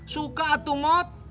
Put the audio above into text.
suka tuh mot